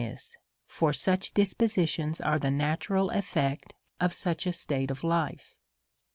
this ; for such dispositions are the natural effect of such a state of life.